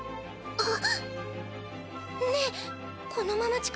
あっ。